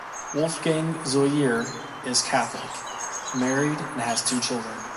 Wolfgang Zöller is Catholic, married and has two children.